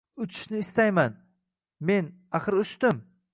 «Uchishni istayman… men, axir, uchdim…»